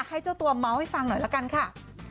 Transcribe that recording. ให้เจ้าตัวเมาส์ให้ฟังหน่อยละกันค่ะ